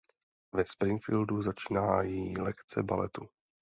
Ve Springfieldu začínají lekce baletu.